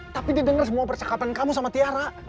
tapi dia denger semua percakapan kamu sama tiara